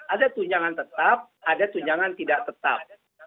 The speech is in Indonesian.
ada tunjangan tetap ada tunjangan tidak tetap